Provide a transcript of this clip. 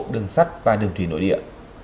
đường sắt và đường thủy nội địa